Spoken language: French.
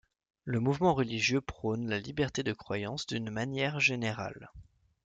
Le mouvement religieux prône la liberté de croyance d'une manière générale.